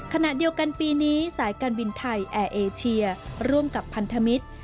ขณะเดียวกันปีนี้สายการบินไทยแอร์เอเชียร่วมกับพันธมิตร